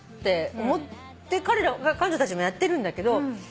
彼女たちもやってるんだけど。